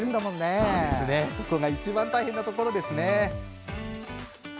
そこが一番大変なところですね。